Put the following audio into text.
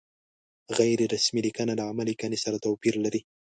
غیر رسمي لیکنه له عامې لیکنې سره توپیر لري.